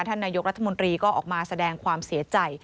ท่านนายกรัฐมนตรีก็ออกมาแสดงความเสียใจ